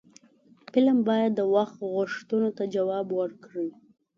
فلم باید د وخت غوښتنو ته ځواب ورکړي